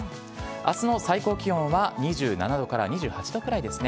あすの最高気温は２７度から２８度くらいですね。